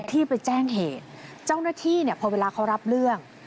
ที่ไปแจ้งเหตุเจ้าหน้าที่เนี่ยพอเวลาเขารับเรื่อง